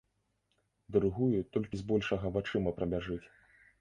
Другую толькі збольшага вачыма прабяжыць.